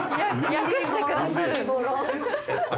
訳してくださる。